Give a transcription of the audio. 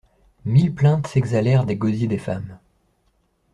Mille plaintes s'exhalèrent des gosiers des femmes.